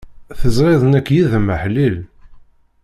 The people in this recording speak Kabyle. Teẓriḍ nekk yid-m aḥlil.